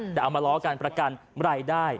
แต่เอามาล้อการประกันรายได้